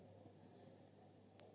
kekurangan kekurangan tenda ini ditambah terus